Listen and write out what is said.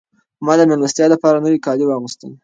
ما د مېلمستیا لپاره نوي کالي واغوستل.